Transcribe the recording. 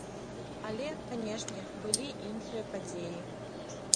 Але, канешне, былі іншыя падзеі.